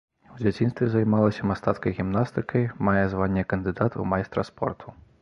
У дзяцінстве займалася мастацкай гімнастыкай, мае званне кандыдат у майстра спорту.